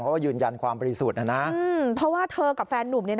เค้ายืนยันความปริสูจน์อ่ะนะเพราะว่าเธอกับแฟนนุ่มในนั้น